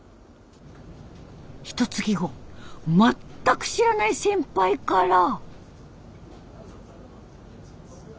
ひとつき後全く知らない先輩から。